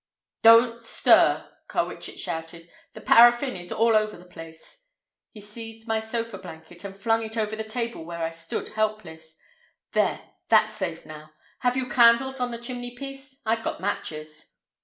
"Don't stir!" Carwitchet shouted. "The paraffin is all over the place!" He seized my sofa blanket, and flung it over the table while I stood helpless. "There, that's safe now. Have you candles on the chimney piece? I've got matches."